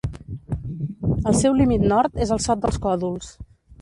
El seu límit nord és el Sot dels Còdols.